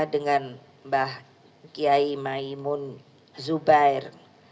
dengan mbak kiai maimun zubair